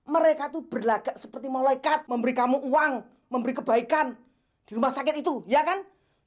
mereka itu berlagak seperti malaikat memberi kamu uang memberi kebaikan di rumah sakit itu ya kan